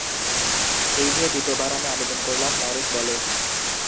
এই নিয়ে দ্বিতীয়বার আমি আবেদন করলাম, নরিস বলে।